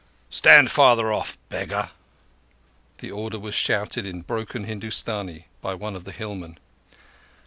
"Stand farther off, beggar!" The order was shouted in broken Hindustani by one of the hillmen.